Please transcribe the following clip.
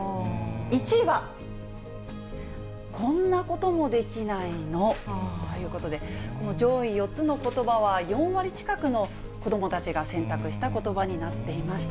１位は、こんなこともできないの？ということで、この上位４つのことばは４割近くの子どもたちが選択したことばになっていました。